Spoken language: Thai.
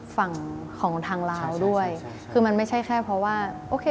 ฝั่งของทางลาวด้วยคือมันไม่ใช่แค่เพราะว่าโอเค